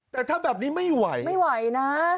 แต่ถ้าแบบนี้ไม่ไหวไม่ไหวนะ